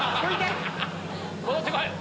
戻ってこい！